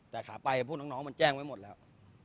แต่ขาไปพวกน้องมันแจ้งไว้หมดแล้ว